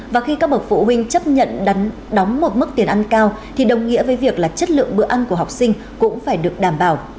và khi các bậc phụ huynh chấp nhận đóng một mức tiền ăn cao thì đồng nghĩa với việc là chất lượng bữa ăn của học sinh cũng phải được đảm bảo